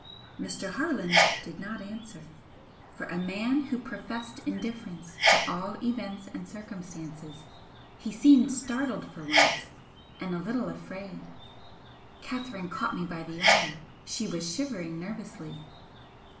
Mr. Harland did not answer. For a man who professed indifference to all events and circumstances he seemed startled for once and a little afraid. Catherine caught me by the arm, she was shivering nervously.